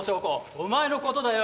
お前のことだよ！